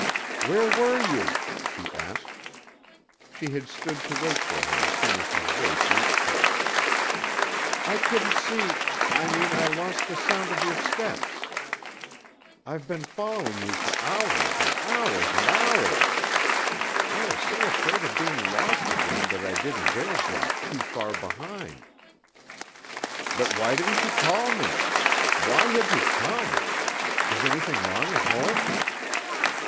"Where were you?" she asked. She had stood to wait for him as soon as his voice reached her. "I couldn't see I mean, I lost the sound of your steps. I've been following you for hours and hours and hours. I was so afraid of being lost again that I didn't dare drop too far behind." "But why didn't you call to me? Why have you come? Is anything wrong at home?"